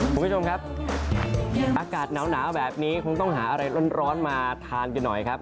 คุณผู้ชมครับอากาศหนาวแบบนี้คงต้องหาอะไรร้อนมาทานกันหน่อยครับ